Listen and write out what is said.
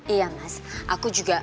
iya mas aku juga